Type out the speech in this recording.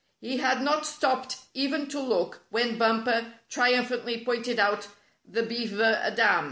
He had not stopped even to look when Bumper triumphantly pointed out the beaver dam.